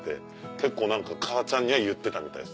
結構母ちゃんには言ってたみたいです。